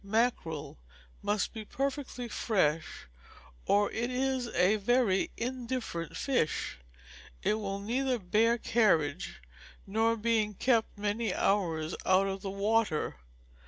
Mackerel must be perfectly fresh, or it is a very indifferent fish; it will neither bear carriage, nor being kept many hours out of the water.